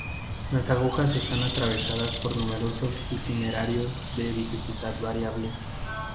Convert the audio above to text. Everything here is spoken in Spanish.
Las Agujas están atravesadas por numerosos itinerarios de dificultad variable.